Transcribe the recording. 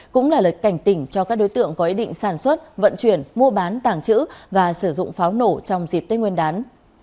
cũng là lời cảnh tỉnh cho các đối tượng có ý định sản xuất vận chuyển mua bán tàng trữ và sử dụng pháo nổ trong dịp tết nguyên đán